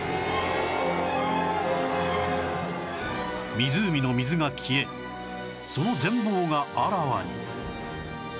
湖の水が消えその全貌があらわに